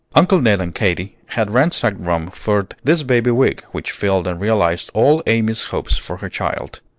Uncle Ned and Katy had ransacked Rome for this baby wig, which filled and realized all Amy's hopes for her child.